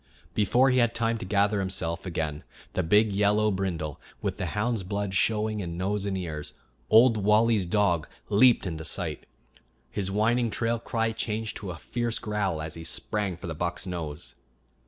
Before he had time to gather himself again the big yellow brindle, with the hound's blood showing in nose and ears, Old Wally's dog, leaped into sight. His whining trail cry changed to a fierce growl as he sprang for the buck's nose.